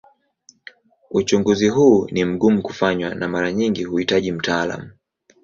Uchunguzi huu ni mgumu kufanywa na mara nyingi huhitaji mtaalamu.